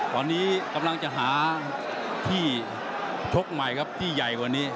ตอนนี้กำลังจะหาที่ชกใหม่ครับที่ใหญ่กว่านี้